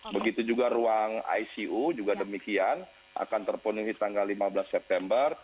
begitu juga ruang icu juga demikian akan terpenuhi tanggal lima belas september